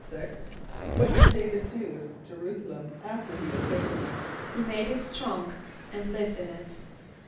= What did D[=a]´vid do with J[+e] r[u:]´s[+a] l[)e]m after he had taken it? =He made it strong and lived in it.